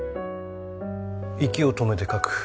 息を止めて描く。